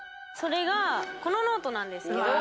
それがこのノートなんですけど。